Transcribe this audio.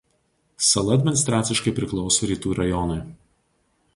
Sala administraciškai priklauso Rytų rajonui.